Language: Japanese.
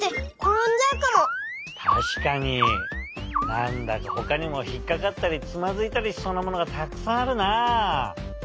なんだかほかにもひっかかったりつまずいたりしそうなものがたくさんあるなあ。